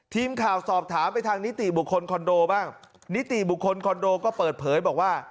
ทีมข่าวสอบถามไปทางนิติบุคคลคอนโดบ้างนิติบุคคลคอนโดก็เปิดเผยบอกว่า